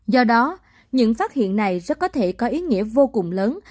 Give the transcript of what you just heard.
do đó những phát hiện này rất có thể có ý nghĩa vô cùng lớn